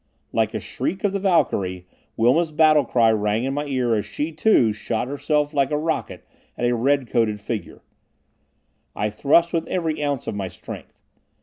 Like a shriek of the Valkyrie, Wilma's battle cry rang in my ear as she, too, shot herself like a rocket at a red coated figure. I thrust with every ounce of my strength.